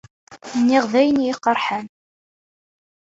Nniɣ-d ayen i iyi-iqerḥen.